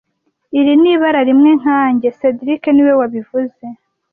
Iri ni ibara rimwe nkanjye cedric niwe wabivuze